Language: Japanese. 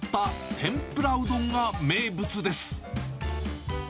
天ぷらうどんが名物です。